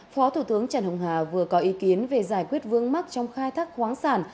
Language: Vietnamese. phó thủ tướng trần hồng hà vừa có ý kiến về giải quyết vương mắc trong khai thác khoáng sản